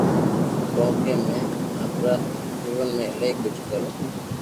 ڪونڪھ مني آپرا جيون ۾ ايلائي ڪجھ ڪروو